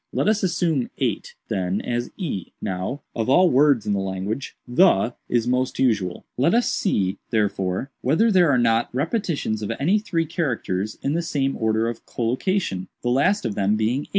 "Let us assume 8, then, as e. Now, of all words in the language, 'the' is most usual; let us see, therefore, whether there are not repetitions of any three characters, in the same order of collocation, the last of them being 8.